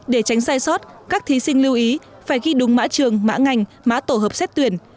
để tránh sai sót các thí sinh lưu ý phải ghi đúng mã trường mã ngành mã tổ hợp xét tuyển